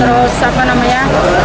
terus apa namanya